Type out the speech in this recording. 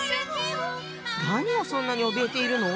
何をそんなにおびえているの？